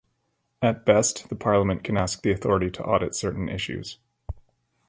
At best, the parliament can ask the authority to audit certain issues.